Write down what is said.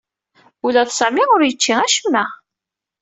Ula d Sami ur yečči acemma.